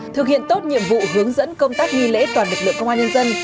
thực hiện tốt nhiệm vụ hướng dẫn công tác nghi lễ toàn lực lượng công an nhân dân